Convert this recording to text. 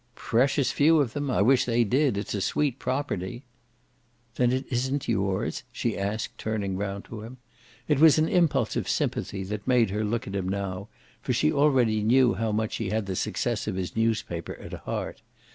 "Precious few of them! I wish they did. It's a sweet property." "Then it isn't yours?" she asked, turning round to him. It was an impulse of sympathy that made her look at him now, for she already knew how much he had the success of his newspaper at heart.